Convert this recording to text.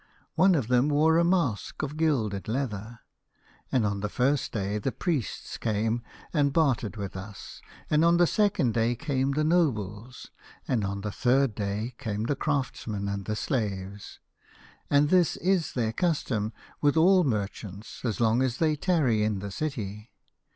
One of them wore a mask of gilded leather. " And on the first day the priests came and bartered with us, and on the second day came the nobles, and on the third day came the craftsmen and the slaves. And this is their custom with all merchants as long as they tarry in the city.